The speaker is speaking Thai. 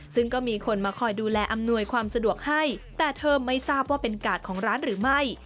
ซึ่งก็มีคนมาคอยดูแลอำนวยความสะดวกให้แต่เธอไม่ทราบว่าเป็นกาดของร้านหรือไม่